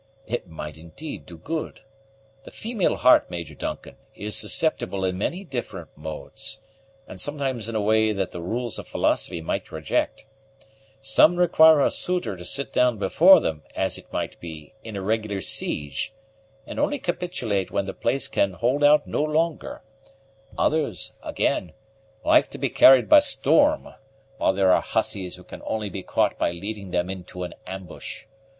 "It might, indeed, do good. The female heart, Major Duncan, is susceptible in many different modes, and sometimes in a way that the rules of philosophy might reject. Some require a suitor to sit down before them, as it might be, in a regular siege, and only capitulate when the place can hold out no longer; others, again, like to be carried by storm; while there are hussies who can only be caught by leading them into an ambush.